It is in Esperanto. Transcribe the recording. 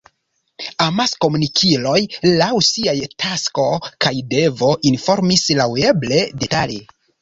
Amaskomunikiloj, laŭ siaj tasko kaj devo, informis laŭeble detale.